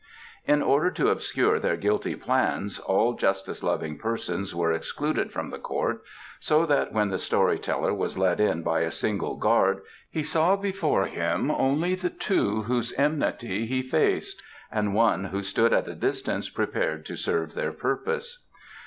In order to obscure their guilty plans all justice loving persons were excluded from the court, so that when the story teller was led in by a single guard he saw before him only the two whose enmity he faced, and one who stood at a distance prepared to serve their purpose.